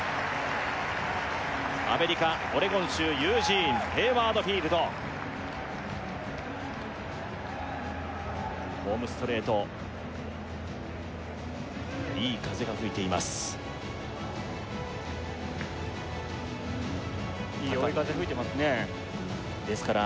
アメリカオレゴン州ユージーンヘイワード・フィールドホームストレートいい風が吹いていますいい追い風吹いてますねですから